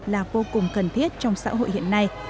là vô cùng cần thiết trong xã hội hiện nay